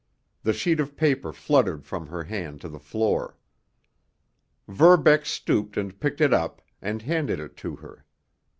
The sheet of paper fluttered from her hand to the floor. Verbeck stooped and picked it up, and handed it to her.